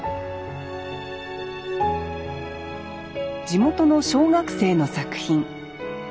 地元の小学生の作品。